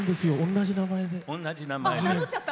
同じ名前で。